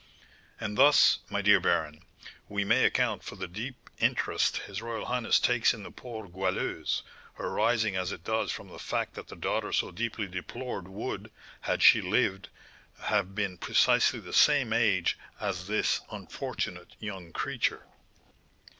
"And thus, my dear baron, we may account for the deep interest his royal highness takes in the poor Goualeuse, arising as it does from the fact that the daughter so deeply deplored would, had she lived, have been precisely the same age as this unfortunate young creature."